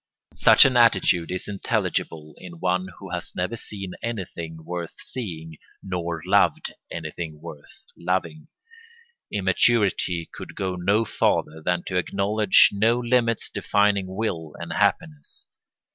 Such an attitude is intelligible in one who has never seen anything worth seeing nor loved anything worth loving. Immaturity could go no farther than to acknowledge no limits defining will and happiness.